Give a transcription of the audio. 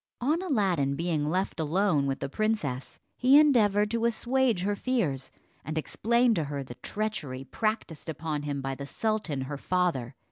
On Aladdin being left alone with the princess, he endeavoured to assuage her fears, and explained to her the treachery practiced upon him by the sultan her father.